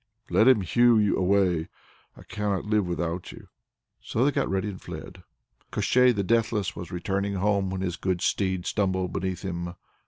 "Let him hew away! I cannot live without you." So they got ready and fled. Koshchei the Deathless was returning home when his good steed stumbled beneath him.